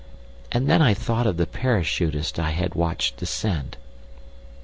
And then I thought of the parachutist I had watched descend.